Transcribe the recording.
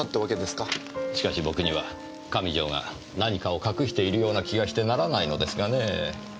しかし僕には上条が何かを隠しているような気がしてならないのですがねぇ。